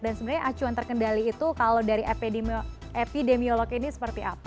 dan sebenarnya acuan terkendali itu kalau dari epidemiolog ini seperti apa